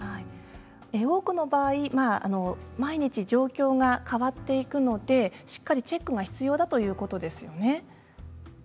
多くの場合、毎日状況が変わっていくのでしっかりチェックが必要だということですよね。